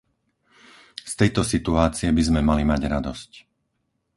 Z tejto situácie by sme mali mať radosť.